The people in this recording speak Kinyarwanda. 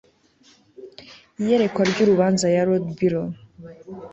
Iyerekwa ryurubanza ya Lord Byron